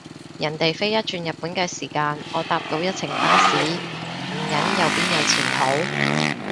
人哋飛一轉日本嘅時間，我搭到一程巴士，唔忍又邊有前途？